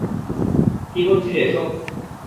কী করছিলে এসব?